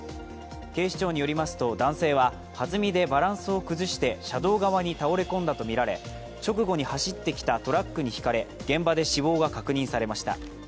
警視庁によりますと、男性は弾みでバランスを崩して車道側に倒れ込んだとみられ、直後に走ってきたトラックにひかれ、現場で死亡が確認されました。